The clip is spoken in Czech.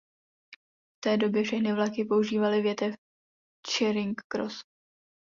V té době všechny vlaky používaly větev Charing Cross.